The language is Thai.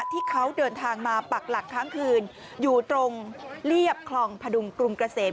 ที่เขาเดินทางมาปักหลักค้างคืนอยู่ตรงเรียบคลองพดุงกรุงเกษม